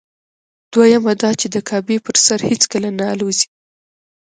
دویمه دا چې د کعبې پر سر هېڅکله نه الوزي.